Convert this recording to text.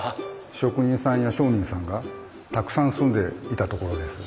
職人さんや商人さんがたくさん住んでいた所です。